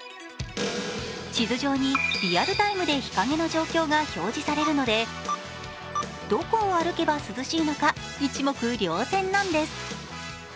地図上にリアルタイムで日陰の状況が表示されるのでどこを歩けば涼しいのか一目瞭然なんです。